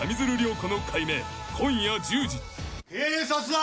警察だ！